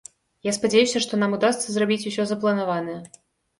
Я спадзяюся, што нам удасца зрабіць усё запланаванае.